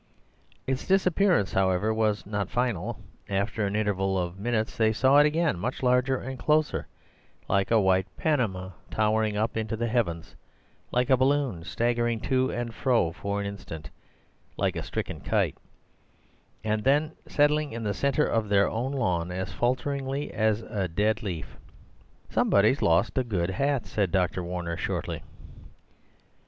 Its disappearance, however, was not final; after an interval of minutes they saw it again, much larger and closer, like a white panama, towering up into the heavens like a balloon, staggering to and fro for an instant like a stricken kite, and then settling in the centre of their own lawn as falteringly as a fallen leaf. "Somebody's lost a good hat," said Dr. Warner shortly.